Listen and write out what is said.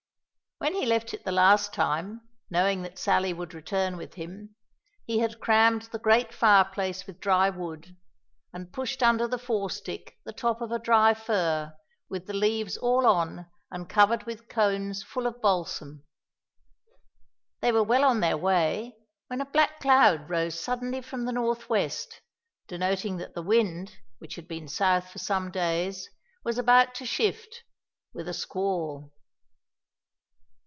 When he left it the last time, knowing that Sally would return with him, he had crammed the great fireplace with dry wood, and pushed under the forestick the top of a dry fir, with the leaves all on, and covered with cones full of balsam. They were well on their way when a black cloud rose suddenly from the north west, denoting that the wind, which had been south for some days, was about to shift, with a squall.